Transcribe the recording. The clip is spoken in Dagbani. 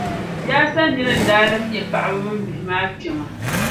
siyaayasa nira n-daa lahi nyɛ paɣiba mini bihi maa kpɛma.